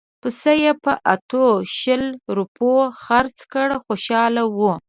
پسه یې په اتو شل روپیو خرڅ کړ خوشاله وو.